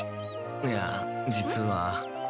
いや実は。